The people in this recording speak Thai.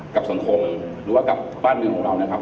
กับสังคมหรือว่ากับบ้านเมืองของเรานะครับ